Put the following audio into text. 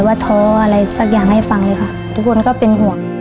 ท้ออะไรสักอย่างให้ฟังเลยค่ะทุกคนก็เป็นห่วง